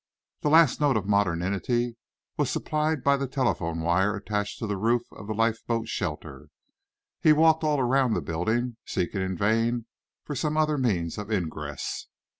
The last note of modernity was supplied by the telephone wire attached to the roof of the lifeboat shelter. He walked all round the building, seeking in vain for some other means of ingress.